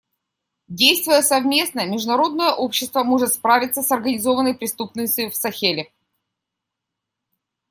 Действуя совместно, международное сообщество может справиться с организованной преступностью в Сахеле.